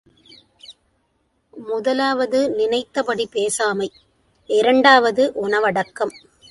முதலாவது நினைத்தபடி பேசாமை, இரண்டாவது உணவடக்கம்.